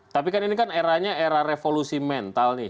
tapi kan ini kan eranya era revolusi mental nih